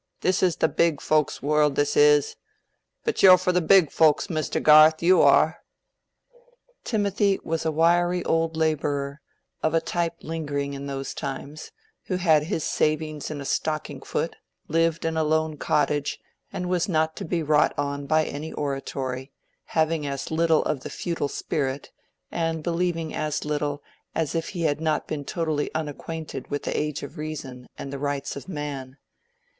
This is the big folks's world, this is. But yo're for the big folks, Muster Garth, yo are." Timothy was a wiry old laborer, of a type lingering in those times—who had his savings in a stocking foot, lived in a lone cottage, and was not to be wrought on by any oratory, having as little of the feudal spirit, and believing as little, as if he had not been totally unacquainted with the Age of Reason and the Rights of Man.